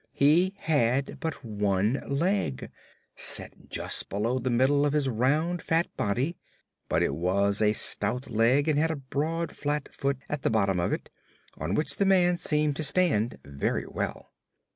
He had but one leg, set just below the middle of his round, fat body; but it was a stout leg and had a broad, flat foot at the bottom of it, on which the man seemed to stand very well.